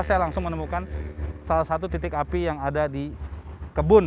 saya langsung menemukan salah satu titik api yang ada di kebun